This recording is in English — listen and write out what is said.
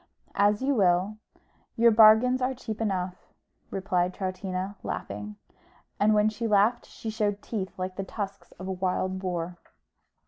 "As you will; your bargains are cheap enough," replied Troutina, laughing: and when she laughed she showed teeth like the tusks of a wild boar.